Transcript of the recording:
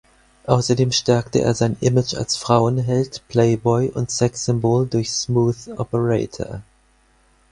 Außerdem stärkte er sein Image als Frauenheld, Playboy und Sexsymbol durch "Smooth Operator".